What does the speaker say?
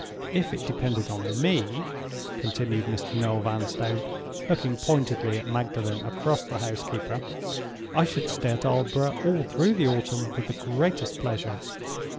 If it depended on me," continued Mr. Noel Vanstone, looking pointedly at Magdalen across the housekeeper, "I should stay at Aldborough all through the autumn with the greatest pleasure.